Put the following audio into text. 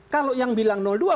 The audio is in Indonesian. kalau yang bilang dua